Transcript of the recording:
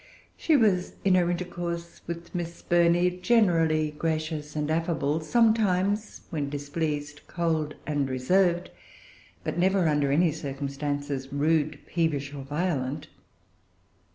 She was, in her intercourse with Miss Burney, generally gracious and affable, sometimes, when displeased, cold and reserved, but never, under any circumstances, rude, peevish, or violent.